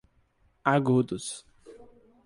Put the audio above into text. Agudos